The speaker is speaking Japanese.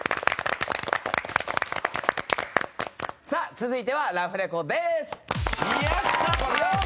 続いては、ラフレコです。